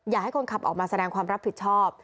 อยากให้คนขับออกมาแสดงความรับผิดชอบ